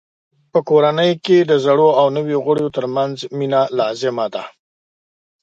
په کورنۍ کې د زړو او نویو غړو ترمنځ مینه لازمه ده.